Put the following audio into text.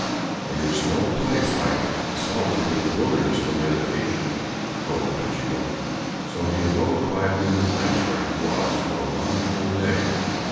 "There is no place like the solitude of the wilderness for meditation," quoth Pagiel. So he abode quietly in the place where he was for one full day.